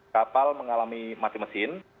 kapal mengalami mati mesin